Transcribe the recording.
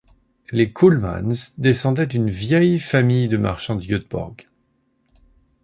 Les Kullmans descendaient d'une vieille famille de marchands de Göteborg.